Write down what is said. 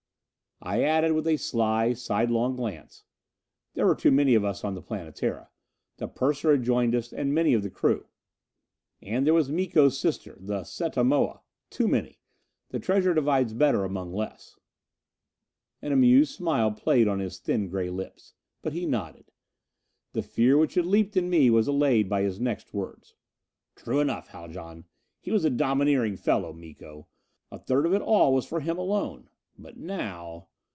I added with a sly, sidelong glance, "There were too many of us on the Planetara. The purser had joined us, and many of the crew. And there was Miko's sister, the Setta Moa too many. The treasure divides better among less." An amused smile played on his thin gray lips. But he nodded. The fear which had leaped in me was allayed by his next words. "True enough, Haljan. He was a domineering fellow, Miko. A third of it all was for him alone. But now...."